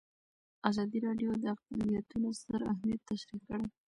ازادي راډیو د اقلیتونه ستر اهميت تشریح کړی.